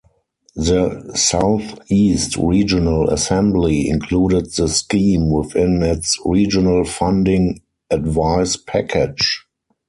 The South East Regional Assembly included the scheme within its Regional Funding Advice package.